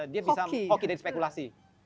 dia bisa hoki dari spekulasi hoki